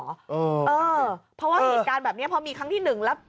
เพราะว่าเหตุการณ์แบบนี้พอมีครั้งที่หนึ่งแล้ว